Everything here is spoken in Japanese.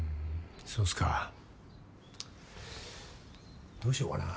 そうですかどうしようかな